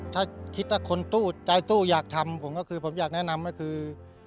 ถ้าคิดถ้าคนสู้ใจสู้อยากทำผมก็คือผมอยากแนะนำก็คือ